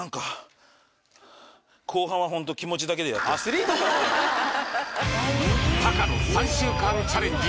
やってみてタカの３週間チャレンジ